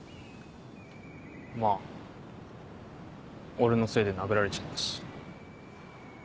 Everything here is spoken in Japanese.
まぁ俺のせいで殴られちゃったし。